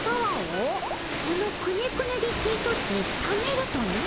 そのくねくねですいとってためるとな？